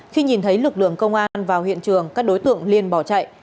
khi nhìn thấy lực lượng công an vào hiện trường các đối tượng liên bỏ chạy